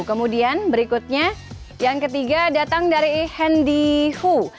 kemudian berikutnya yang ketiga datang dari hendi hu